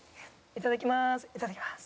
いただきます。